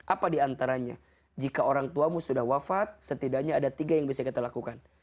apa diantaranya jika orang tuamu sudah wafat setidaknya ada tiga yang bisa kita lakukan